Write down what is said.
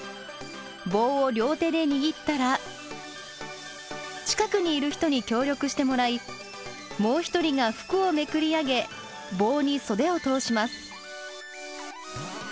棒を両手で握ったら近くにいる人に協力してもらいもう一人が服をめくり上げ棒に袖を通します。